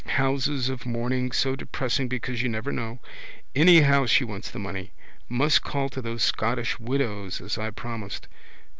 Houses of mourning so depressing because you never know. Anyhow she wants the money. Must call to those Scottish Widows as I promised.